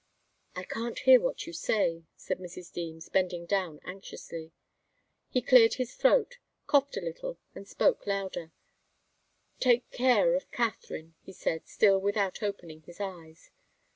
"I can't hear what you say," said Mrs. Deems, bending down anxiously. He cleared his throat, coughed a little and spoke louder. "Take care of Katharine," he said, still without opening his eyes.